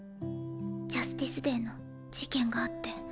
ジャスティスデーの事件があって。